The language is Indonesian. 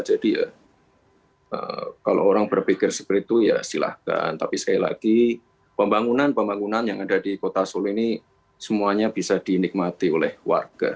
jadi kalau orang berpikir seperti itu ya silahkan tapi sekali lagi pembangunan pembangunan yang ada di kota solo ini semuanya bisa dinikmati oleh warga